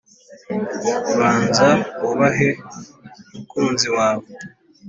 banza wubahe umukunzi wawe: